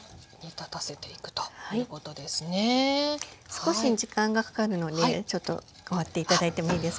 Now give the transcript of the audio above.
少し時間がかかるのでちょっと代わって頂いてもいいですか？